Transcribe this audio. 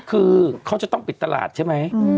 คือเขาจะต้องปิดตลาดใช่ไหม